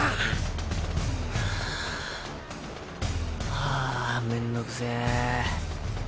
はぁめんどくせぇ。